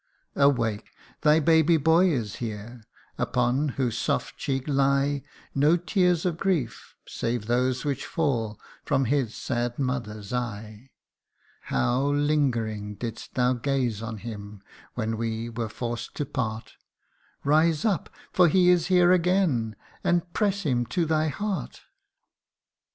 43 ( Awake ! thy baby boy is here, upon whose soft cheek lie No tears of grief, save those which fall from his sad mo ther's eye ; How, lingering, didst thou gaze on him when we were forced to part Rise up, for he is here again, and press him to thy heart